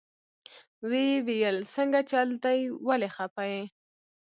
ويې ويل سنګه چل دې ولې خفه يې.